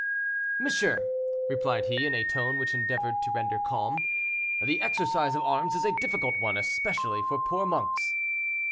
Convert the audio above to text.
"Monsieur," replied he, in a tone which he endeavored to render calm, "the exercise of arms is a difficult one, especially for poor monks."